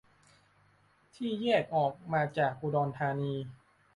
ที่แยกออกมาจากอุดรธานี